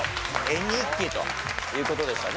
絵日記という事でしたね。